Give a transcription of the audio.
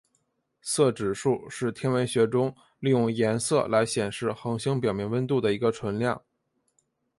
色指数是天文学中利用颜色来显示恒星表面温度的一个纯量。